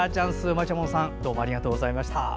まちゃもんさんどうもありがとうございました。